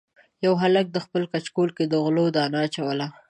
یوه هلک د خپلو کچکول کې د غلو دانه اچوله.